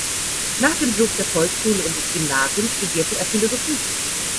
Nach dem Besuch der Volksschule und des Gymnasiums studierte er Philosophie.